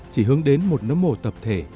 chỉ hướng đến một nấm mổ tập thể